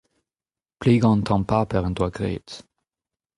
plegañ an tamm paper en doa graet.